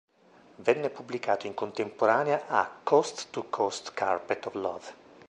Venne pubblicato in contemporanea a "Coast to Coast Carpet of Love".